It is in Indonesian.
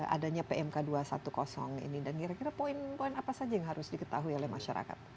adanya pmk dua ratus sepuluh ini dan kira kira poin poin apa saja yang harus diketahui oleh masyarakat